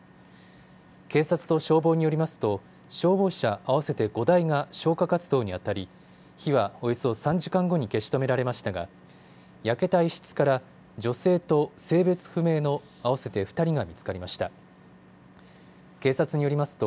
警察と消防によりますと消防車合わせて５台が消火活動にあたり火はおよそ３時間後に消し止められましたが焼けた一室から女性と性別不明の合わせて２人が見つかりました。